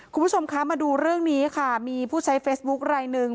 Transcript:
คุณผู้ชมคะมาดูเรื่องนี้ค่ะมีผู้ใช้เฟซบุ๊คลายหนึ่ง